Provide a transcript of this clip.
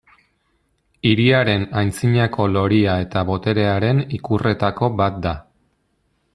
Hiriaren antzinako loria eta boterearen ikurretako bat da.